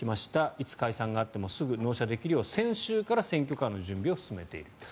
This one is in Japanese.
いつ解散があってもすぐ納車できるよう、先週から選挙カーの準備を進めている。